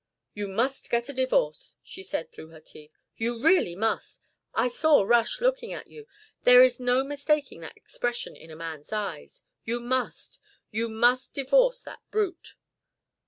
"You must get a divorce," she said through her teeth. "You really must. I saw Rush looking at you. There is no mistaking that expression in a man's eyes. You must you must divorce that brute."